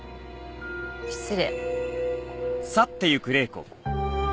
失礼。